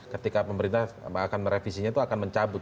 ketika pemerintah akan merevisinya itu akan mencabut